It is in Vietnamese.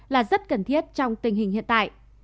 là rất cần thiết trong tình hình hiện tại